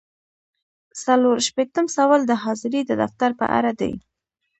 څلور شپیتم سوال د حاضرۍ د دفتر په اړه دی.